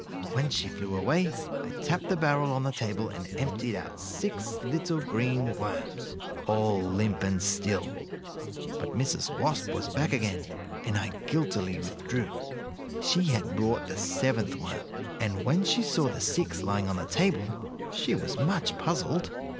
When she flew away I tapped the barrel on the table and emptied out six little green worms, all limp and still. But Mrs. Wasp was back again, and I guiltily withdrew. She had brought the seventh worm, and when she saw the six lying on the table she was much puzzled.